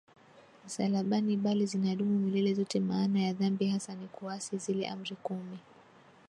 msalabani bali zinadumu milele zote Maana ya dhambi hasa ni kuasi zile amri kumi